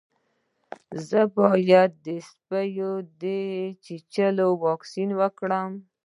ایا زه باید د سپي د چیچلو واکسین وکړم؟